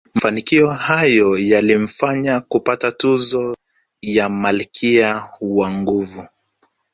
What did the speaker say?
Mafanikio hayo yalimfanya kupata tuzo ya malkia wa nguvu